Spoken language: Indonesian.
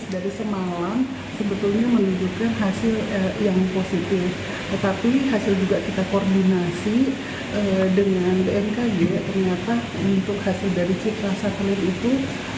dengan kombinasi dengan dnkg ternyata untuk hasil dari ciklas saklin itu